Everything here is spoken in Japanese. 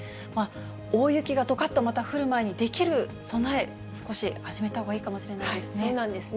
大雪がどかっとまた降る前に、できる備え、少し始めたほうがいいかもしれませんね。